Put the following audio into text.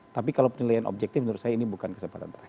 tapi kalau penilaian objektif menurut saya ini bukan kesempatan terakhir